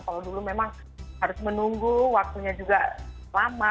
kalau dulu memang harus menunggu waktunya juga lama